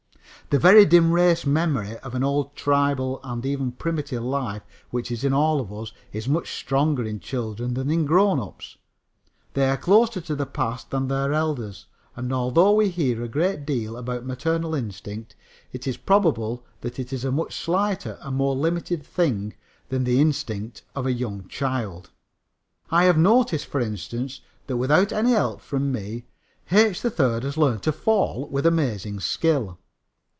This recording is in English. The very dim race memory of old tribal and even primitive life which is in all of us is much stronger in children than in grown ups. They are closer to the past than their elders, and although we hear a great deal about maternal instinct, it is probable that it is a much slighter and more limited thing than the instinct of a young child. I have noticed, for instance, that without any help from me H. 3rd has learned to fall with amazing skill.